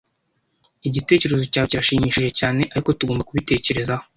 Igitekerezo cyawe kirashimishije cyane, ariko tugomba kubitekerezaho